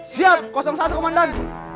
siap satu komandan